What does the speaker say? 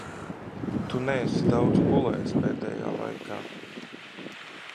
Tu neesi daudz gulējis pēdējā laikā.